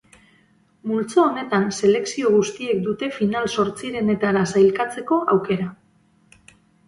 Multzo honetan selekzio guztiek dute final-zortzirenetara sailkatzeko aukera.